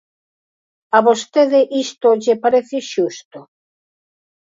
¿A vostede isto lle parece xusto?